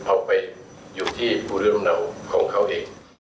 ออกไปอยู่ที่ภูเรือรุ่นเนาของเขาเอง